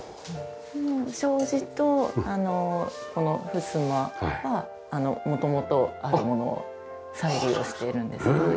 この障子とこのふすまは元々あるものを再利用しているんです。